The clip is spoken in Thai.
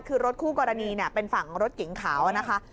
คือรถคู่กรณีเป็นฝั่งรถเก๋งขาวนะคะ